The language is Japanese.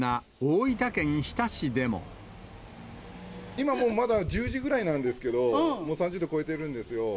今もう、まだ１０時ぐらいなんですけれども、３０度超えてるんですよ。